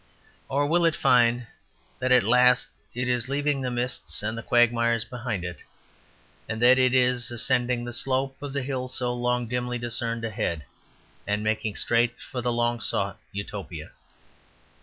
Or will it find that at last it is leaving the mists and the quagmires behind it; that it is ascending the slope of the hill so long dimly discerned ahead, and making straight for the long sought Utopia?